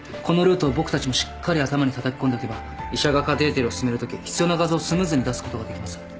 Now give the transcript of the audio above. このルートを僕たちもしっかり頭にたたき込んでおけば医者がカテーテルを進めるとき必要な画像をスムーズに出すことができます。